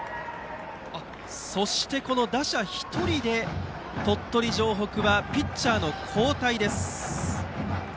そして、打者１人で鳥取城北はピッチャーの交代です。